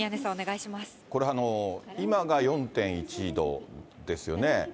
これ、今が４．１度ですよね。